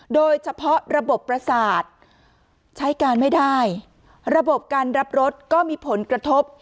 โดยเฉพาะระบบประสาทใช้การไม่ได้ระบบการรับรถก็มีผลกระทบ